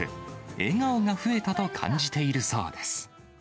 笑顔が増えたと感じているそうです。